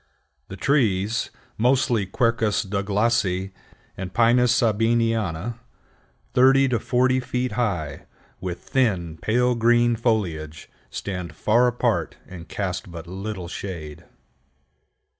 The trees, mostly Quercus Douglasii and Pinus Sabiniana, thirty to forty feet high, with thin, pale green foliage, stand far apart and cast but little shade.